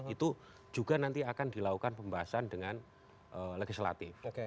itu juga nanti akan dilakukan pembahasan dengan legislatif